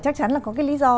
chắc chắn là có cái lý do